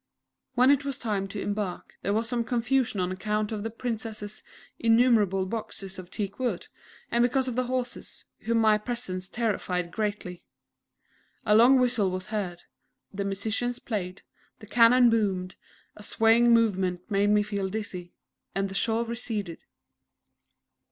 When it was time to embark there was some confusion on account of the Princess's innumerable boxes of teak wood, and because of the horses, whom my presence terrified greatly. A long whistle was heard; the musicians played; the cannon boomed; a swaying movement made me feel dizzy and the shore receded.